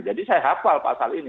jadi saya hafal pasal ini